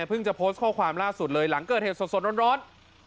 จะโพสต์ข้อความล่าสุดเลยหลังเกิดเหตุสดร้อน